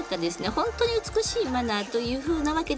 本当に美しいマナーというふうなわけではないんですね。